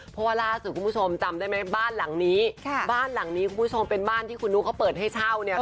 เพราะว่าล่าสุดคุณผู้ชมจำได้ไหมบ้านหลังนี้บ้านหลังนี้คุณผู้ชมเป็นบ้านที่คุณนุ๊กเขาเปิดให้เช่าเนี่ย